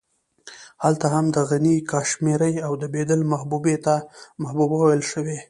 هلته هم د غني کاشمېري او د بېدل محبوبې ته محبوبه ويل شوې.